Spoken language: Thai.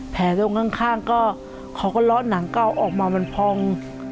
แผ่ตรงข้างก็เค้าก็เลาะหนังเกล้าออกมามันพอง